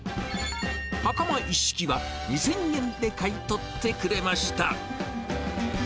はかま一式は２０００円で買い取ってくれました。